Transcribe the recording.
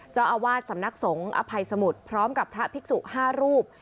เจ้าอาวาสสำนักสงฆ์อภัยสมุทรพร้อมกับพระภิกษุ๕รูป